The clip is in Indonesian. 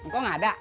kok gak ada